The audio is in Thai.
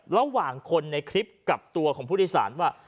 ระหว่างคนในคลิปกับตัวของผู้โดยสารว่า